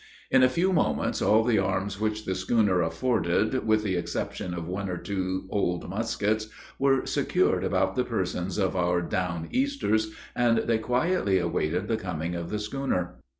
In a few moments all the arms which the schooner afforded, with the exception of one or two old muskets, were secured about the persons of our Down Easters, and they quietly awaited the coming of the schooner.